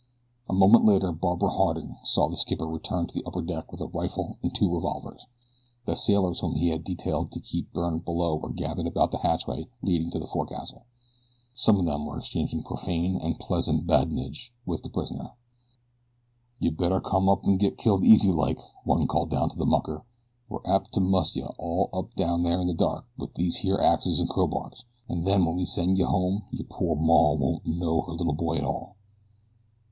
A moment later Barbara Harding saw the skipper return to the upper deck with a rifle and two revolvers. The sailors whom he had detailed to keep Byrne below were gathered about the hatchway leading to the forecastle. Some of them were exchanging profane and pleasant badinage with the prisoner. "Yeh better come up an' get killed easy like;" one called down to the mucker. "We're apt to muss yeh all up down there in the dark with these here axes and crowbars, an' then wen we send yeh home yer pore maw won't know her little boy at all."